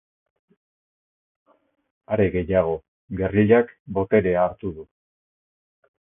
Are gehiago, gerrillak boterea hartu du.